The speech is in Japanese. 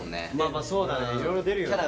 まあそうだねいろいろ出る。